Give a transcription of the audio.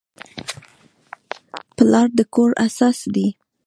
پلار د کور اساس دی.